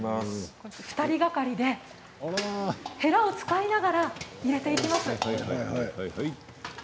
２人がかりでへらを使いながら入れていきます。